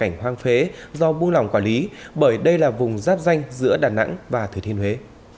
cảnh hoang phế do buôn lòng quản lý bởi đây là vùng giáp danh giữa đà nẵng và thủy thiên huế